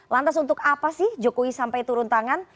lantas untuk apa sih jokowi sampai turun tangan